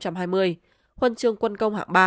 huân chương quân công hạng ba